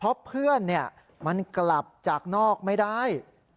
เพราะเพื่อนมันกลับจากนอกไม่ได้